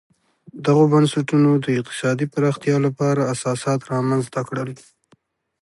دغو بنسټونو د اقتصادي پراختیا لپاره اساسات رامنځته کړل.